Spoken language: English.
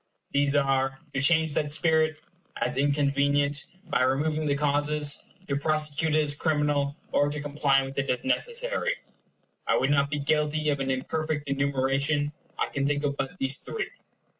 These are to change that spirit, as inconvenient, by removing the causes; to prosecute it as criminal; or to comply with it as necessary. I would not be guilty of an imperfect enumeration; I can think of but these three.